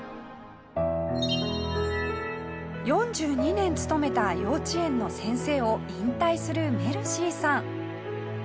４２年勤めた幼稚園の先生を引退するメルシーさん。